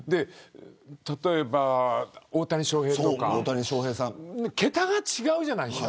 例えば大谷翔平とか桁が違うじゃないですか。